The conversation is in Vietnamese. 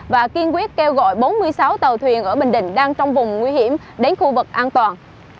và kiên quyết kêu gọi bốn mươi sáu tàu thuyền ở bình định đang trong vùng nguy hiểm đến khu vực an toàn